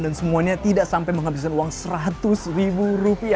dan semuanya tidak sampai menghabiskan uang seratus ribu rupiah